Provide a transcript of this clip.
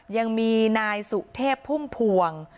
ยังมีนายสุเทพพุ่มพวง